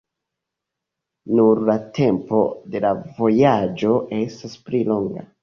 Nur la tempo de la vojaĝo estas pli longa.